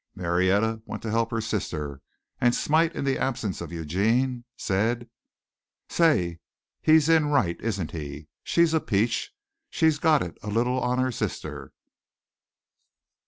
Marietta went to help her sister, and Smite, in the absence of Eugene, said: "Say, he's in right, isn't he? She's a peach. She's got it a little on her sister."